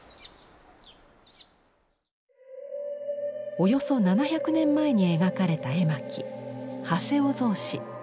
およそ７００年前に描かれた絵巻「長谷雄草紙」。